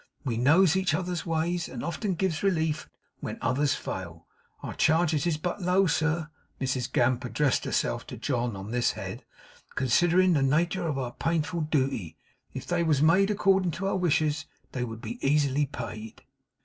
We knows each other's ways, and often gives relief when others fail. Our charges is but low, sir' Mrs Gamp addressed herself to John on this head 'considerin' the nater of our painful dooty. If they wos made accordin' to our wishes, they would be easy paid.